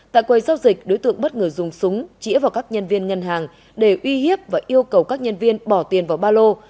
tại quầy giao dịch đối tượng bất ngờ dùng súng chỉa vào các nhân viên ngân hàng để uy hiếp và yêu cầu các nhân viên bỏ tiền vào ba lô